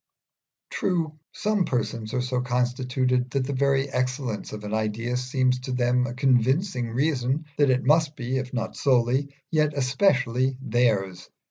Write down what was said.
True, some persons are so constituted that the very excellence of an idea seems to them a convincing reason that it must be, if not solely, yet especially theirs.